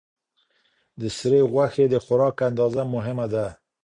د سرې غوښې د خوراک اندازه مهمه ده.